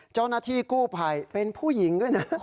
เจ้าหน้าที่กู้ภัยเป็นผู้หญิงด้วยนะ